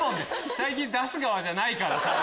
最近出す側じゃないからさ。